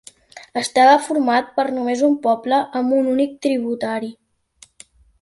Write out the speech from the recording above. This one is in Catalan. Estava format per només un poble amb un únic tributari.